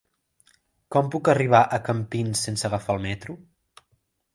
Com puc arribar a Campins sense agafar el metro?